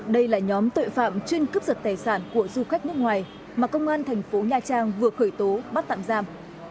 đây là nhóm tội phạm chuyên cướp giật tài sản của du khách nước ngoài mà công an thành phố nha trang vừa khởi tố bắt tạm giam